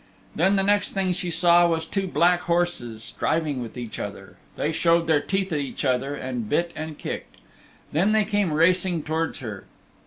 Then the next thing she saw was two black horses striving with each other. They showed their teeth at each other and bit and kicked. Then they came racing towards her.